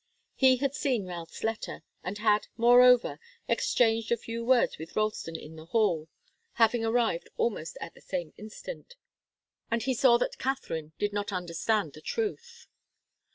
He had seen Routh's letter, and had, moreover, exchanged a few words with Ralston in the hall, having arrived almost at the same instant, and he saw that Katharine did not understand the truth.